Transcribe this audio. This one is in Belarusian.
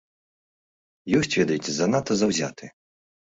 Ёсць, ведаеце, занадта заўзятыя.